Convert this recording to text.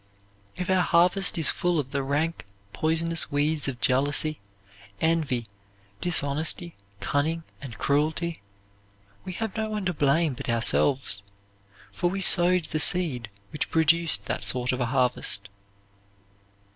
If our harvest is full of the rank, poisonous weeds of jealousy, envy, dishonesty, cunning, and cruelty, we have no one to blame but ourselves, for we sowed the seed which produced that sort of a harvest.